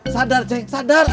sadar cek sadar